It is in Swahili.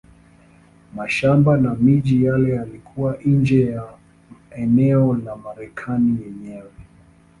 Mashamba na miji yale yalikuwa nje ya eneo la Marekani yenyewe.